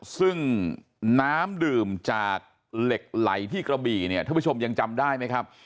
ซึ่งน้ำดื่มจากเหล็กไหลที่กระบี่เนี่ยท่านผู้ชมยังจำได้ไหมครับ